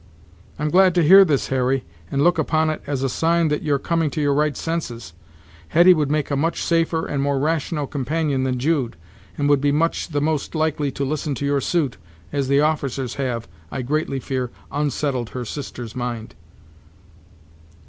"I'm glad to hear this, Harry, and look upon it as a sign that you're coming to your right senses. Hetty would make a much safer and more rational companion than Jude, and would be much the most likely to listen to your suit, as the officers have, I greatly fear, unsettled her sister's mind."